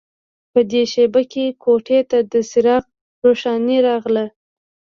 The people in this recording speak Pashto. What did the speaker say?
په دې شېبه کې کوټې ته د څراغ روښنايي راغله